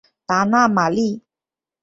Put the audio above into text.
达讷马里。